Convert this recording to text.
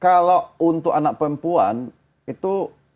kalau untuk anak perempuan itu enam belas empat belas